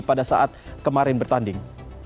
pada saat kemarin bertanding